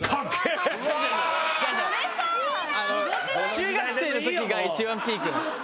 中学生の時が一番ピークなんですよ。